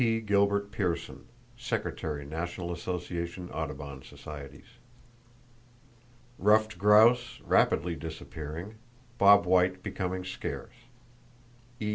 Gilbert Pearson, Sec. Nat. Asso. Audubon Societies.) Ruffed grouse rapidly disappearing; bobwhite becoming scarce.—(E.